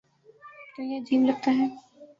تو یہ عجیب لگتا ہے۔